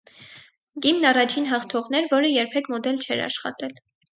Կիմն առաջին հաղթողն էր, որը երբեք մոդել չէր աշխատել։